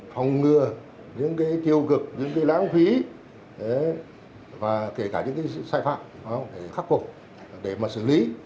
phòng ngừa những tiêu cực những lãng phí và kể cả những sai phạm để khắc phục để xử lý